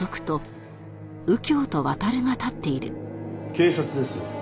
警察です。